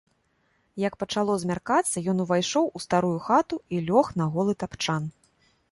Як пачало змяркацца, ён увайшоў у старую хату і лёг на голы тапчан.